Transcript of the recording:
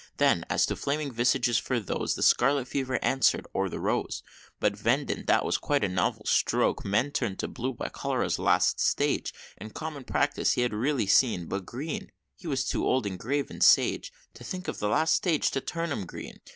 Then as to flaming visages, for those The Scarlet Fever answer'd, or the Rose But verdant! that was quite a novel stroke! Men turn'd to blue, by Cholera's last stage, In common practice he had really seen; But Green he was too old, and grave, and sage, To think of the last stage to Turnham Green!